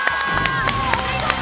お見事！